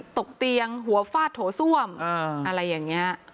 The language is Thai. ตกเตียงหัวฟาดโถส้วมอะไรอย่างนี้